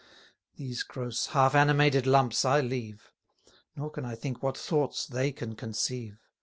These gross, half animated lumps I leave; Nor can I think what thoughts they can conceive.